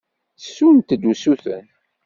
Ttessunt-d usuten.